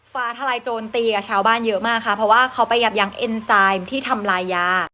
ฟ้าทลายโจรตีกับชาวบ้านเยอะมากค่ะเพราะว่าเขาไปยับยั้งเอ็นไซด์ที่ทำลายยา